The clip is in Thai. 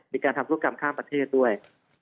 มีการทำ๔๒ประเทศด้วย